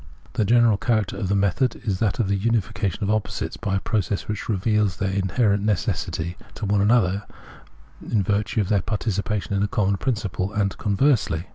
The general character of the method is that of the unification of opposites by a process which reveals their inherent necessity to one another in virtue of their participation in a common principle, and conversely.